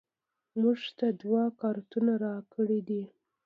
موږ ته دوه کارتونه راکړیدي